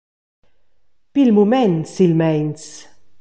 Pil mument silmeins.